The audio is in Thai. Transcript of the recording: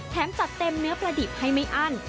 จัดเต็มเนื้อประดิบให้ไม่อั้น